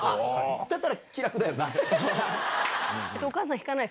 だったら気楽だよな。